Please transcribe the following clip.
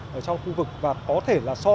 trong khu vực và có thể là so